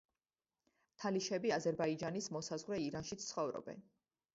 თალიშები აზერბაიჯანის მოსაზღვრე ირანშიც ცხოვრობენ.